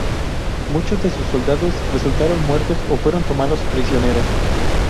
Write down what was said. Muchos de sus soldados resultaron muertos o fueron tomados prisioneros.